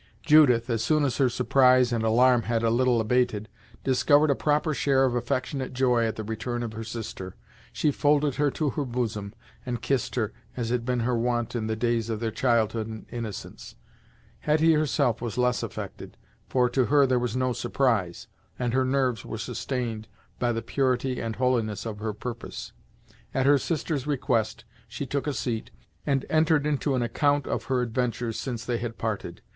Judith, as soon as her surprise and alarm had a little abated, discovered a proper share of affectionate joy at the return of her sister. She folded her to her bosom, and kissed her, as had been her wont in the days of their childhood and innocence. Hetty herself was less affected, for to her there was no surprise, and her nerves were sustained by the purity and holiness of her purpose. At her sister's request she took a seat, and entered into an account of her adventures since they had parted.